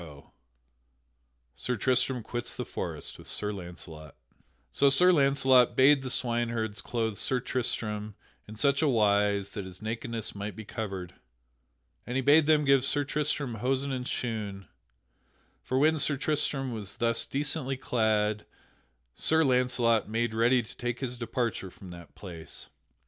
[Sidenote: Sir Tristram quits the forest with Sir Launcelot] So Sir Launcelot bade the swineherds clothe Sir Tristram in such a wise that his nakedness might be covered, and he bade them give Sir Tristram hosen and shoon, and when Sir Tristram was thus decently clad, Sir Launcelot made ready to take his departure from that place.